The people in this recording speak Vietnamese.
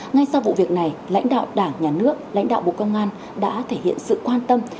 ngay sau vụ việc này lãnh đạo đảng nhà nước lãnh đạo bộ công an đã thể hiện sự quan tâm